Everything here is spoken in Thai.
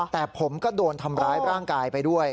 แต่ผมก็โดนทำร้ายร่างกายไปด้วย